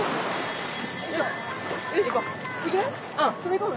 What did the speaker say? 行こう。